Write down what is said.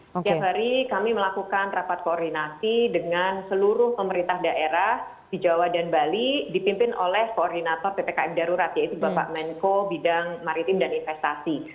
setiap hari kami melakukan rapat koordinasi dengan seluruh pemerintah daerah di jawa dan bali dipimpin oleh koordinator ppkm darurat yaitu bapak menko bidang maritim dan investasi